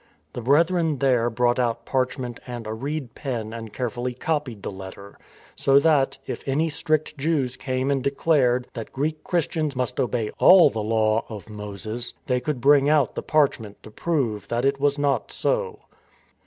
The Brethren there brought out parchment and a reed pen and carefully copied the letter, so that, if any strict Jews came and declared that the Greek Christians must obey all the Law of Moses, they could bring out the parchment to prove that it was not so.